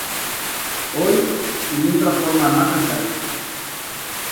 Ohi zilindro forma ematen zaio.